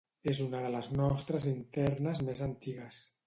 És una de les nostres internes més antigues.